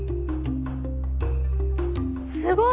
すごい！